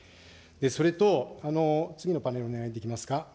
それと、次のパネルお願いできますか。